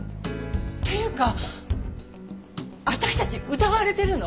っていうか私たち疑われているの？